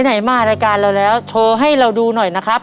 ไหนมารายการเราแล้วโชว์ให้เราดูหน่อยนะครับ